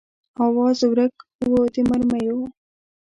آواز ورک و د مرمیو